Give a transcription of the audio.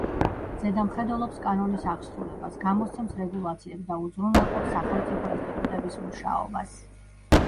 ზედამხედველობს კანონის აღსრულებას, გამოსცემს რეგულაციებს და უზრუნველყოფს სახელმწიფო ინსტიტუტების მუშაობას.